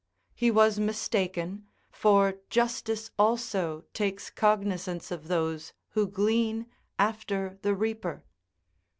He was mistaken, for justice also takes cognisance of those who glean after the reaper.